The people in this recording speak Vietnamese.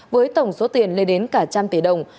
với tổng số tiền lên đến cả trăm tỷ đồng